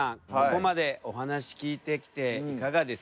ここまでお話聞いてきていかがですか。